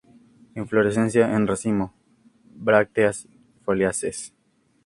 Inflorescencia en racimo; brácteas foliáceas.